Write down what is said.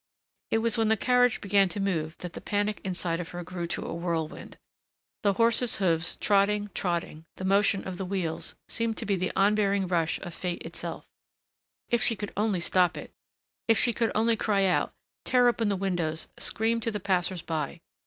It was when the carriage began to move that the panic inside of her grew to whirlwind. The horse' hoofs, trotting, trotting, the motion of the wheels, seemed to be the onbearing rush of fate itself. If she could only stop it! If she could only cry out, tear open the windows, scream to the passers by.